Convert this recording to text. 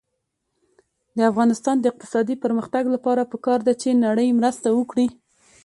د افغانستان د اقتصادي پرمختګ لپاره پکار ده چې نړۍ مرسته وکړي.